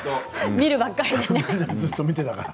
見るばっかりでね。